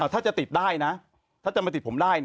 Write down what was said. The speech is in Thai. ถ้าจะติดได้นะถ้าจะมาติดผมได้